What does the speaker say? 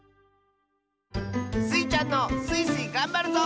スイちゃんの「スイスイ！がんばるぞ」